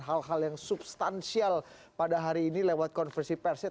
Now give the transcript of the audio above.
hal hal yang substansial pada hari ini lewat konversi persnya